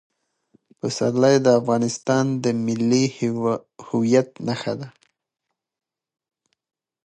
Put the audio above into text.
پسرلی د افغانستان د ملي هویت نښه ده.